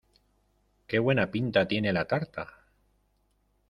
¡Que buena pinta tiene la tarta!